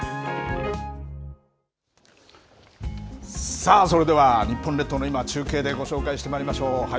さあそれでは、日本列島の今を、中継でご紹介してまいりましょう。